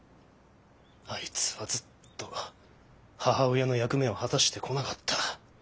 あいつはずっと母親の役目を果たしてこなかった。